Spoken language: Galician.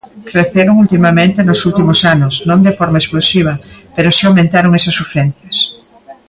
Creceron ultimamente nos últimos anos, non de forma explosiva, pero si aumentaron esas urxencias.